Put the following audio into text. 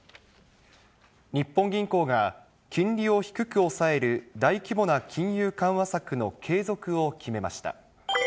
日本銀行が、金利を低く抑える大規模な金融緩和策の継続を決めました。